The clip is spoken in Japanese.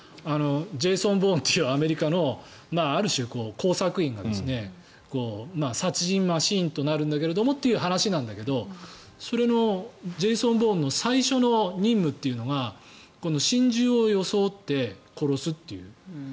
アメリカのジェイソン・ボーンっていう工作員が殺人マシンとなるんだけれどもという話なんだけどそのジェイソン・ボーンの最初の任務というのが心中を装って殺すという。